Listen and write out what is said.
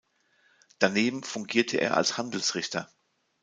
Daneben fungierte er als Handelsrichter.